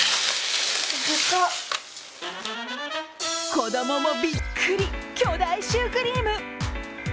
子供もビックリ、巨大シュークリーム。